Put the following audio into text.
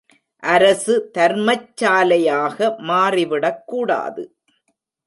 அரசு தர்மச்சாலையாக மாறிவிடக் கூடாது.